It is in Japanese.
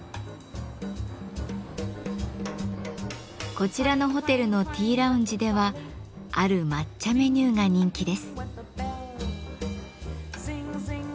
こちらのホテルのティーラウンジではある抹茶メニューが人気です。